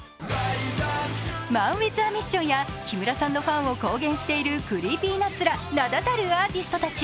ＭＡＮＷＩＴＨＡＭＩＳＳＩＯＮや木村さんのファンを公言してるＣｒｅｅｐｙＮｕｔｓら、名だたるアーティストたち。